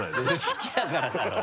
好きだからだろう。